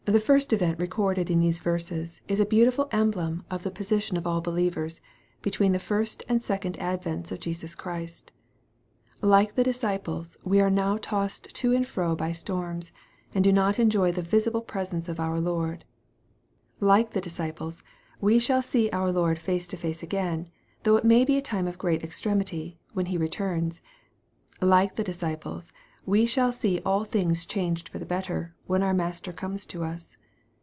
THE event first recorded in these verses, is a beautiful emblem of the position of all believers, between the first and second advents of Jesus Christ. Like the disciples, we are now tossed to and fro by storms, and do not enjoy the visible presence of our Lord. Like the disciples, we shall see our Lord face to face again, though it may be a time of great extremity, when He returns. Like the disciples, we shall see all things changed for the better, when our Master comes to us.